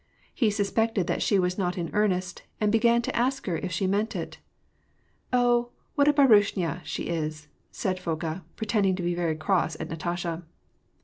He suspected that she was not in earnest, and began to ask her if she meant it. " Oh, what a baruishnya she is !" said Foka, pretending to be very cross at Natasha.